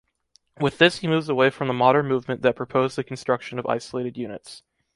With this he moves away from the modern movement that proposed the construction of isolated units.